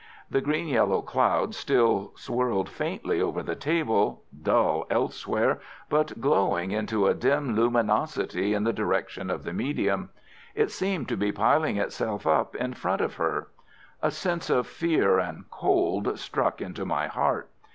The green yellow cloud still swirled faintly over the table, dull elsewhere, but glowing into a dim luminosity in the direction of the medium. It seemed to be piling itself up in front of her. A sense of fear and cold struck into my heart.